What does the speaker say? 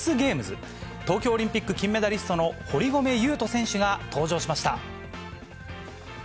東京オリンピック金メダリストの堀米雄斗選手が登場しました。